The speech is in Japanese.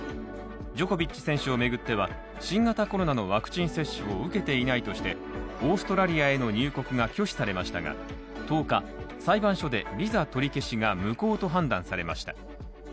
ジョコビッチ選手をめぐっては、新型コロナのワクチン接種を受けていないとして、オーストラリアへの入国が拒否されましたが、１０日、裁判所でビザ取り消しが無効と判断されました。